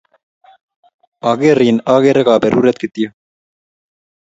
Akerin akere kaperuret kityo.